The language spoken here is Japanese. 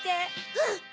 うん！